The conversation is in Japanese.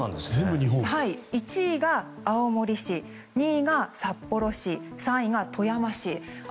１位が青森市２位が札幌市３位が富山市。